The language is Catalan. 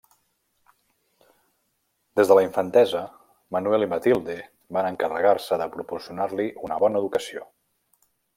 Des de la infantesa Manuel i Matilde van encarregar-se de proporcionar-li una bona educació.